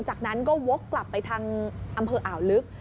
จากนั้นก็วกกลับไปทางอำเภออ่าวลึก